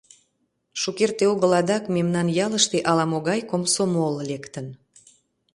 Шукерте огыл адак мемнан ялыште ала-могай комсомол лектын.